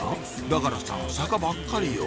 だからさ坂ばっかりよ